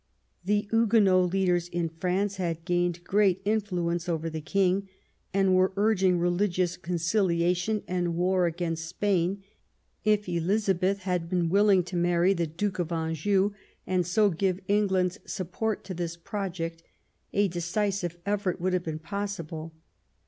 The Huguenot leaders in France had gained great influence over the King and were urging religious conciliation and war against Spain. If Elizabeth had been willing to marry the Duke of Anjou and so give England's support to this project, a decisive effort would have been possible.